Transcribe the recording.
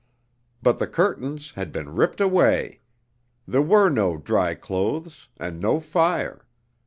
But the curtains had been ripped away. There were no dry clothes, and no fire.